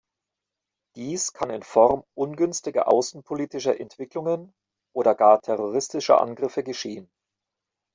Dies kann in Form ungünstiger außenpolitischer Entwicklungen oder gar terroristischer Angriffe geschehen.